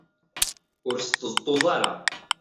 Ur sṭeẓṭuẓ ara.